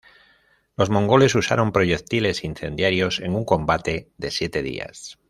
Los mongoles usaron proyectiles incendiarios en un combate de siete días.